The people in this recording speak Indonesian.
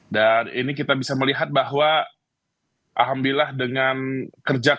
dan ini kita bisa melihat bahwa alhamdulillah dengan kerjaannya